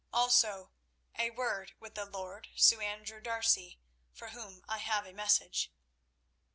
Also—a word with the lord, Sir Andrew D'Arcy, for whom I have a message."